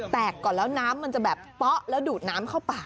ก่อนแล้วน้ำมันจะแบบเป๊ะแล้วดูดน้ำเข้าป่า